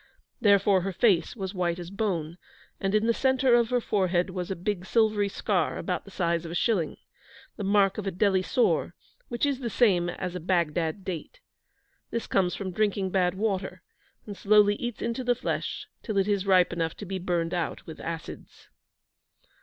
Therefore her face was white as bone, and in the centre of her forehead was a big silvery scar about the size of a shilling the mark of a Delhi sore, which is the same as a 'Bagdad date.' This comes from drinking bad water, and slowly eats into the flesh till it is ripe enough to be burned out with acids.